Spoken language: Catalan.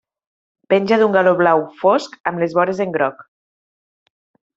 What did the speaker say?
Penja d'un galó blau fosc amb les vores en groc.